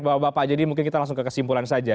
bapak bapak jadi mungkin kita langsung ke kesimpulan saja